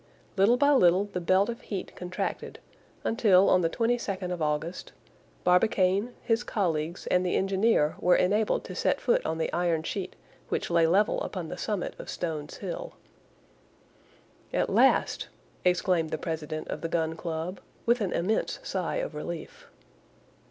Little by little the belt of heat contracted, until on the 22nd of August, Barbicane, his colleagues, and the engineer were enabled to set foot on the iron sheet which lay level upon the summit of Stones Hill. "At last!" exclaimed the president of the Gun Club, with an immense sigh of relief.